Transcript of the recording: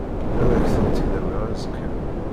Ad ak-tent-in-awiɣ azekka.